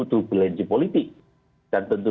turbulensi politik dan tentu